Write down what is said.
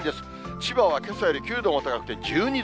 千葉はけさより９度も高くて１２度。